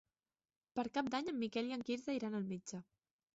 Per Cap d'Any en Miquel i en Quirze iran al metge.